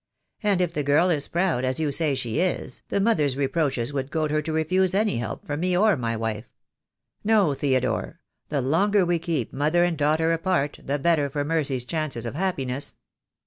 And if the girl is proud, as you say she is, the mother's re proaches would goad her to refuse any help from me or my wife. No, Theodore, the longer we keep mother and daughter apart, the better for Mercy's chances of happiness."